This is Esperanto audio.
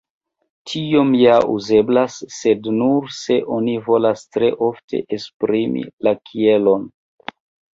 Tiom ja uzeblas, sed nur se oni volas tre forte esprimi la kielon.